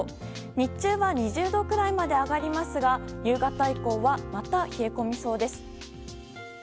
日中は２０度くらいまで上がりますが夕方以降はまた冷え込みそうです。